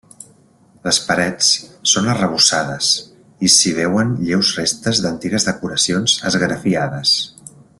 Les parets són arrebossades i s'hi veuen lleus restes d'antigues decoracions esgrafiades.